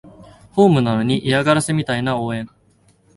ホームなのに嫌がらせみたいな応援